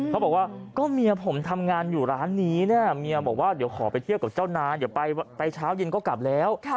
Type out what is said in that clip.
เขาบอกว่าก็เมียผมทำงานอยู่ร้านนี้เนี่ยเมียบอกว่าเดี๋ยวขอไปเที่ยวกับเจ้านานเดี๋ยวไปเช้าเย็นก็กลับแล้ว